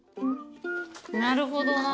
なるほどな。